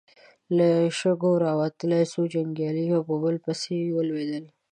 له شګو راوتلې څو جنګيالي يو په بل پسې ولوېدل.